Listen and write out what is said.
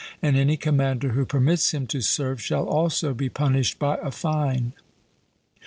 And any commander who permits him to serve shall also be punished by a fine.